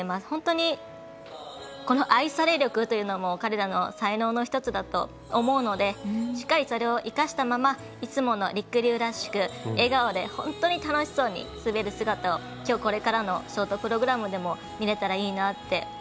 本当に、この愛され力というのも彼らの才能の１つだと思うのでしっかりとそれを生かしたままいつもの、りくりゅうらしく笑顔で本当に楽しそうに滑る姿を、きょうこれからのショートプログラムでも見れたらいいなって